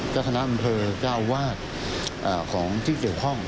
เจ้าคณะอำเภอเจ้าวาดของที่เกี่ยวข้อง